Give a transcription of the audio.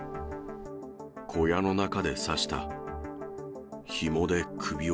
小屋の中で刺した。